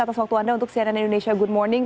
atas waktu anda untuk cnn indonesia good morning